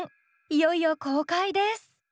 いよいよ公開です！